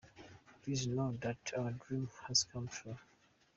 Please know that our dream has come true.